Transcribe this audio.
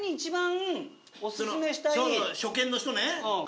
初見の人ね。